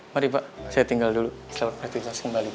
mari pak saya tinggal dulu selamat beraktivitas kembali